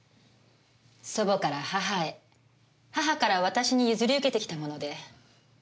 祖母から母へ母から私に譲り受けてきたもので。